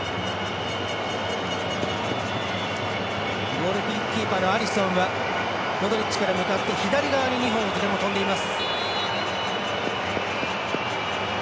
ゴールキーパーのアリソンはモドリッチから向かって左に２本、いずれも跳んでいます。